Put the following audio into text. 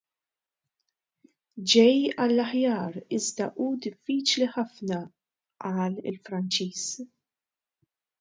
" Ġej għall-aħjar iżda hu diffiċli ħafna " qal il-Franċiż."